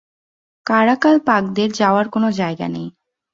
কারাকালপাকদের যাওয়ার কোন জায়গা নেই।